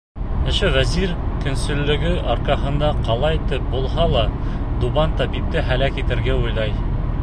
Ошо вәзир көнсөллөгө арҡаһында ҡалайтып булһа ла Дубан табипты һәләк итергә уйлай.